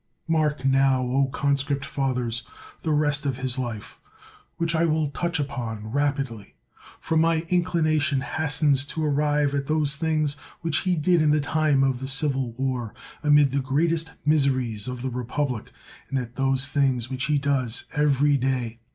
Mark now, O conscript fathers, the rest of his life, which I will touch upon rapidly. For my inclination hastens to arrive at those things which he did in the time of the civil war, amid the greatest miseries of the republic, and at those things which he does every day.